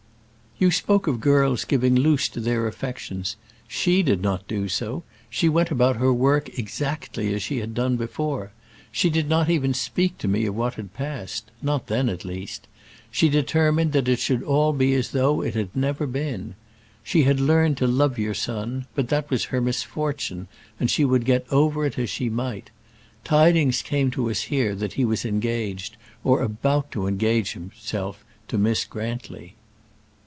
"You spoke of girls giving loose to their affections. She did not do so. She went about her work exactly as she had done before. She did not even speak to me of what had passed not then, at least. She determined that it should all be as though it had never been. She had learned to love your son; but that was her misfortune and she would get over it as she might. Tidings came to us here that he was engaged, or about to engage himself, to Miss Grantly."